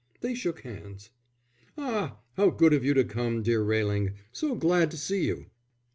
They shook hands. "Ah, how good of you to come, dear Railing. So glad to see you."